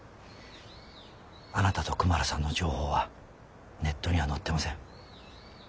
あなたとクマラさんの情報はネットには載ってません。